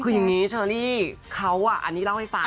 คือยังงี้เฉลี่ย์เขาอ่ะอันนี้เล่าให้ฟังนะครับ